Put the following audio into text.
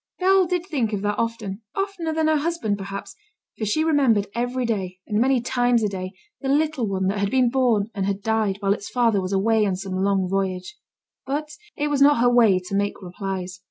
Bell did think of that often; oftener than her husband, perhaps, for she remembered every day, and many times a day, the little one that had been born and had died while its father was away on some long voyage. But it was not her way to make replies.